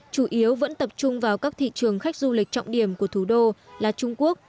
chủ yếu vẫn tập trung vào các thị trường khách du lịch trọng điểm của thủ đô là trung quốc